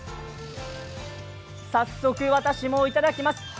早速私もいただきます。